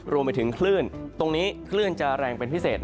รวมไปถึงคลื่นตรงนี้คลื่นจะแรงเป็นพิเศษ